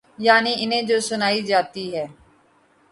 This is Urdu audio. یعنی انہیں جو سنائی جاتی ہے۔